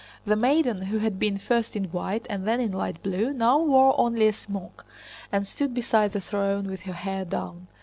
The maiden who had been first in white and then in light blue, now wore only a smock, and stood beside the throne with her hair down.